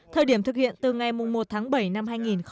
thời điểm thực hiện từ ngày một tháng bảy năm hai nghìn một mươi chín